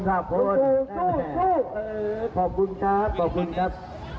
สู้ขอบคุณครับ